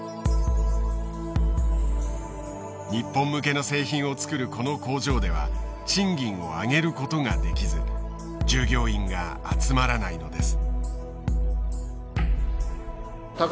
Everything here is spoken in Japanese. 日本向けの製品を作るこの工場では賃金を上げることができず従業員が集まらないのです。